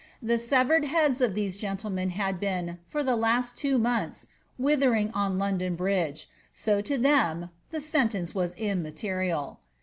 The severed idfl of these gentlemen had been, for the last two months, withering London bridge ; so to them the sentence vras immaterial.